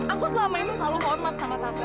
aku selama ini selalu hormat sama tante